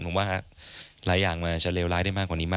ผมว่าหลายอย่างมันอาจจะเลวร้ายได้มากกว่านี้มาก